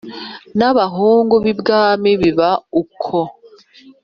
n'abahungu b,ibwami biba uko